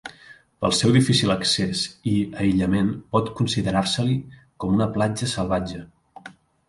Pel seu difícil accés i aïllament pot considerar-se-li com una platja salvatge.